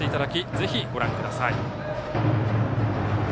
ぜひ、ご覧ください。